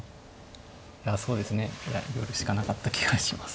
いやそうですね寄るしかなかった気がします